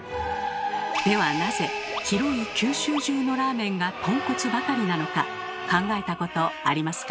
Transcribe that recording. ではなぜ広い九州中のラーメンがとんこつばかりなのか考えたことありますか？